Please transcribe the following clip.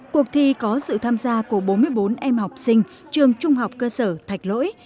cuộc thi có sự tham gia của bốn mươi bốn em học sinh trường trung học cơ sở thạch lỗi